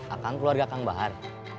akang keluarga kang bahar